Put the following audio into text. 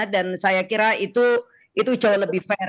dan saya kira itu jauh lebih fair